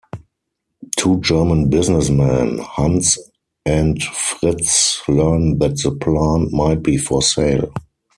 Two German businessmen, Hans and Fritz, learn that the plant might be for sale.